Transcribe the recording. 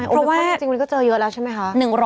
ใช่โอมิครอนจริงมันก็เจอเยอะแล้วใช่ไหมคะ